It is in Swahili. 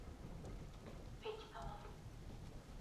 Mwaka wa elfu moja mia tisa sabini na sita